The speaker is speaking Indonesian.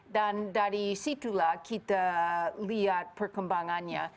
dan dari situlah kita lihat perkembangannya